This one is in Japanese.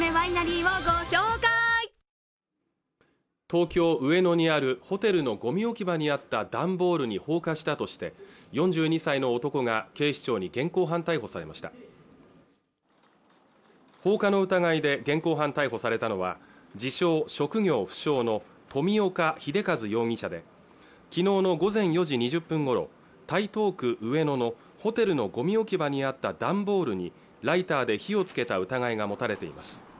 東京上野にあるホテルのゴミ置き場にあった段ボールに放火したとして４２歳の男が警視庁に現行犯逮捕されました放火の疑いで現行犯逮捕されたのは自称職業不詳の富岡秀和容疑者で昨日の午前４時２０分ごろ台東区上野のホテルのゴミ置き場にあった段ボールにライターで火をつけた疑いが持たれています